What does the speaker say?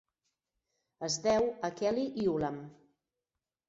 Es deu a Kelly i Ulam.